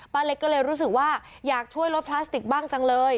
เล็กก็เลยรู้สึกว่าอยากช่วยลดพลาสติกบ้างจังเลย